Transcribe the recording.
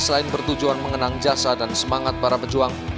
selain bertujuan mengenang jasa dan semangat para pejuang